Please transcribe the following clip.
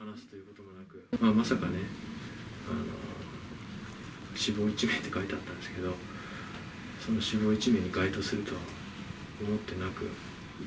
まさかね、死亡１名って書いてあったんですけど、その死亡１名に該当するとは思ってなく。